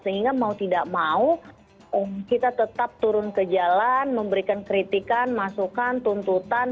sehingga mau tidak mau kita tetap turun ke jalan memberikan kritikan masukan tuntutan